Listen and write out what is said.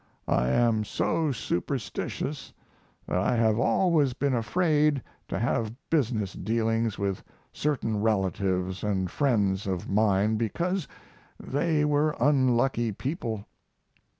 I am so superstitious that I have always been afraid to have business dealings with certain relatives and friends of mine because they were unlucky people.